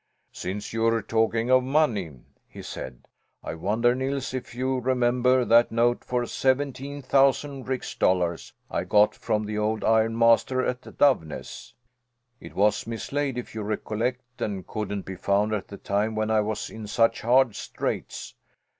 "Since you're talking of money," he said, "I wonder, Nils, if you remember that note for 17,000 rix dollars I got from the old ironmaster at Doveness? It was mislaid, if you recollect, and couldn't be found at the time when I was in such hard straits.